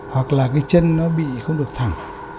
hoặc là cái chân nó bị không được thẳng